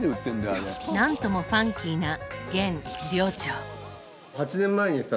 何ともファンキーな現寮長。